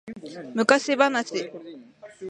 昔話